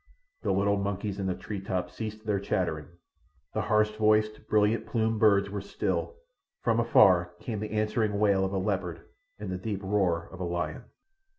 The little monkeys in the tree tops ceased their chattering. The harsh voiced, brilliant plumed birds were still. From afar came the answering wail of a leopard and the deep roar of a lion.